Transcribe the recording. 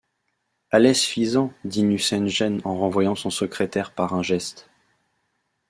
Hâlés fis-en, dit Nucingen en renvoyant son secrétaire par un geste.